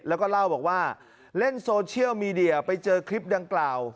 แล้วก็เล่าบอกว่าเล่นโซเชียลมีเดียไปเจอคลิปดังกล่าว